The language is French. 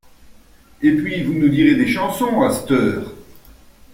Et puis vous nous direz des chansons, à c't'heure!